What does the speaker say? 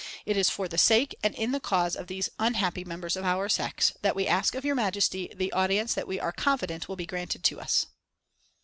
It is for the sake and in the cause of these unhappy members of our sex, that we ask of Your Majesty the audience that we are confident will be granted to us."